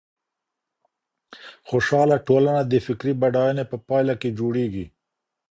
خوشحاله ټولنه د فکري بډاينې په پايله کي جوړېږي.